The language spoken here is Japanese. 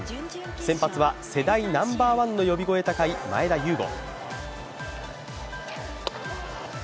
先発は世代ナンバーワンの呼び声高い前田悠伍。